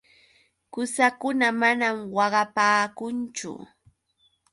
Qusakuna manam waqapaakunchu.